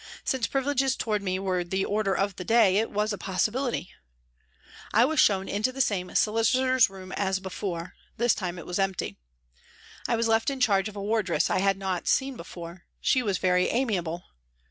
Since privileges towards me were the order of the day it was a possibility. I was shown into the same " solicitor's " room as before ; this time it was empty. I was left in charge of a wardress I had not seen before ; she was very amiable.